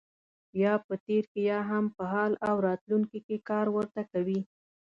یا په تېر کې یا هم په حال او راتلونکي کې کار ورته کوي.